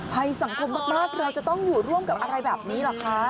ภัยสังคมมากเราจะต้องอยู่ร่วมกับอะไรแบบนี้เหรอคะ